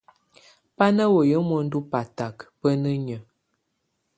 Bá na wéye muendu batak bá nenye.